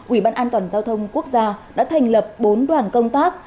ủy ban an toàn giao thông quốc gia đã thành lập bốn đoàn công tác